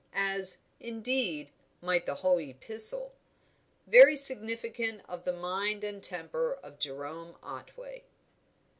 As, indeed, might the whole epistle: very significant of the mind and temper of Jerome Otway.